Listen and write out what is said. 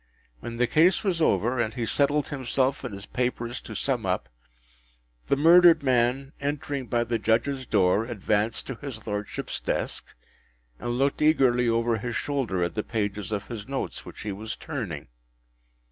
When the case was over, and he settled himself and his papers to sum up, the murdered man, entering by the Judges’ door, advanced to his Lordship’s desk, and looked eagerly over his shoulder at the pages of his notes which he was turning.